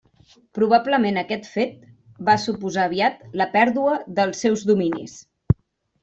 Probablement aquest fet va suposar aviat la pèrdua dels seus dominis.